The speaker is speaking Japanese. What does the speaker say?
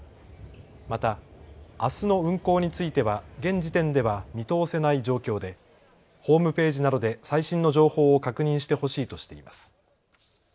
またあすの運行については現時点では見通せない状況でホームページなどで最新の情報を確認してほしいとしています。